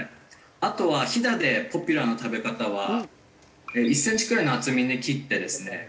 あとは飛騨でポピュラーな食べ方は１センチくらいの厚みに切ってですね